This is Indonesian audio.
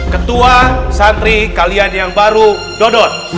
ketua santri kalian yang baru dodon